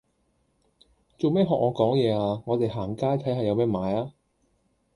做咩學我講嘢啊，我哋行街睇吓有咩買呀